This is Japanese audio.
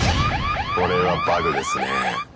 これはバグですね。